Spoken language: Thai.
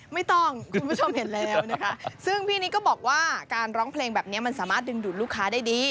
คุณผู้ชมเห็นแล้วนะคะซึ่งพี่นิดก็บอกว่าการร้องเพลงแบบนี้มันสามารถดึงดูดลูกค้าได้ดี